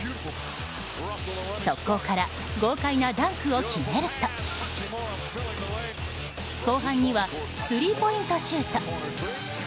速攻から豪快なダンクを決めると後半にはスリーポイントシュート。